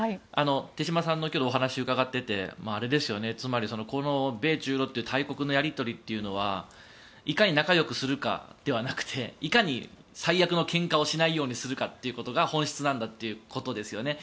手嶋さんの今日のお話を伺っていてつまり、米中ロっていう大国のやり取りというのはいかに仲よくするかではなくていかに最悪のけんかをしないようにするかということが本質なんだということですよね。